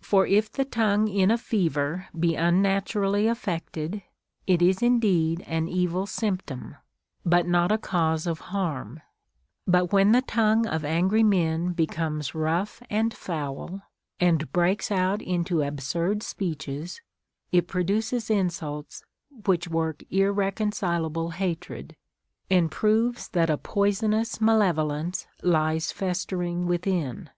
For if the tongue in a fever be unnaturally affected, it is indeed an evil symptom, but not a cause of harm ; but when the tongue of angry men becomes rough and foul, and breaks out into absurd speeches, it produces insults which work ir reconcilable hatred, and proves that a poisonous malevo lence lies festering within.